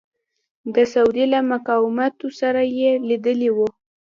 د سعودي له مقاماتو سره یې لیدلي وو.